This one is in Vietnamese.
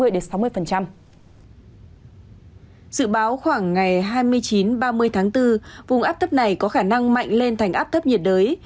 dự báo khoảng ngày hai mươi chín ba mươi tháng bốn vùng áp thấp này có khả năng mạnh lên thành áp thấp nhiệt đới